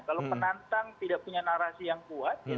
kalau penantang tidak punya narasi yang kuat